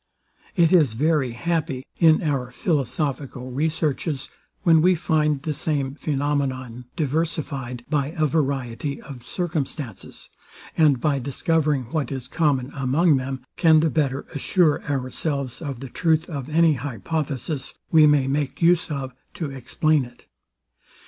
It is very happy, in our philosophical researches, when we find the same phænomenon diversified by a variety of circumstances; and by discovering what is common among them, can the better assure ourselves of the truth of any hypothesis we may make use of to explain it.